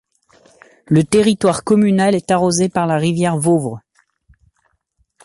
Le territoire communal est arrosé par la rivière Vauvre.